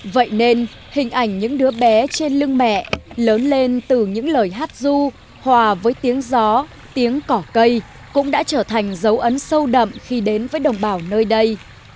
vậy nên hình ảnh những đứa bé trên lưng mẹ lớn lên từ những lời hát du hòa với tiếng gió tiếng cỏ cây cũng đã trở thành dấu ấn sâu đậm khi đến với đồng bào nơi đây